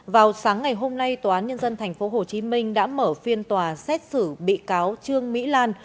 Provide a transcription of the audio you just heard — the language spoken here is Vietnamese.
vào sáng ngày hôm nay tòa án nhân dân tp hcm đã mở phiên tòa xét xử bị cáo trương mỹ lan